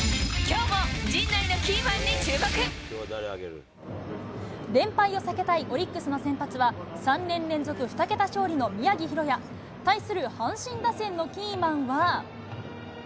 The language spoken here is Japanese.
きょうも、連敗を避けたいオリックスの先発は、３年連続２桁勝利の宮城大弥。対する阪神打線のキーマンは。